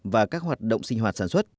và các hoạt động sinh hoạt